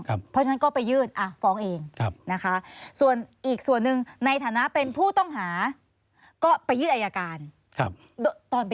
อยากจะเอาไปใช้บ้างนะ